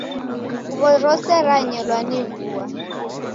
Nguw'o rose ranyelwa ni vua.